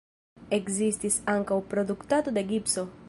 Ekzistis ankaŭ produktado de gipso.